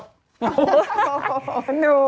หนู